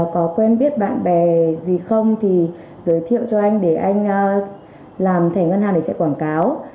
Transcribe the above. có quen biết bạn bè gì không thì giới thiệu cho anh để anh làm thẻ ngân hàng để chạy quảng cáo